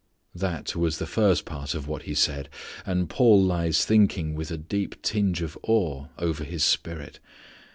That was the first part of what He said. And Paul lies thinking with a deep tinge of awe over his spirit.